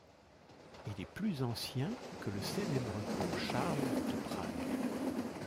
Il est plus ancien que le célèbre pont Charles de Prague.